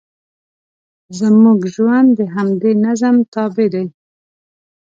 زموږ ژوند د همدې نظم تابع دی.